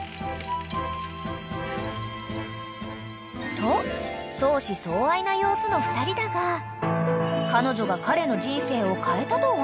［と相思相愛な様子の２人だが彼女が彼の人生を変えたとは？］